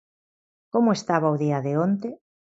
Como estaba o día de onte?